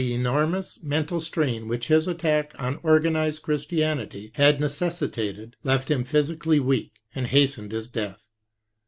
The enormous mental strain which his attack on organized Christianity had necessitated left him physically weak, and hastened his death.